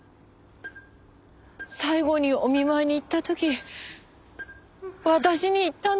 最後にお見舞いに行った時私に言ったの。